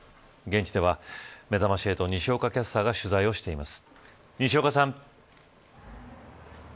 現地では、めざまし８西岡キャスターが取材をしています。